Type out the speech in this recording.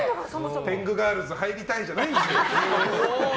天狗ガールズ入りたいじゃないんだよ。